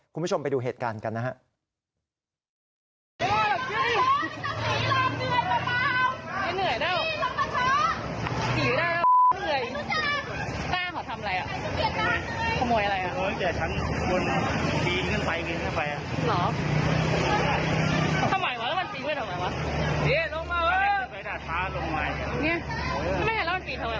คุณผู้ชมไปดูเหตุการณ์กันนะฮะ